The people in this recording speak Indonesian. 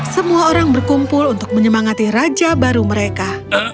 semua orang berkumpul untuk menyemangati raja baru mereka